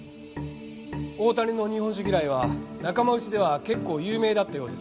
大谷の日本酒嫌いは仲間内では結構有名だったようです。